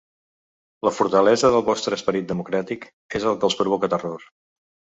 La fortalesa del vostre esperit democràtic és el que els provoca terror.